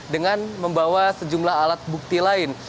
dengan membawa sejumlah alat bukti lain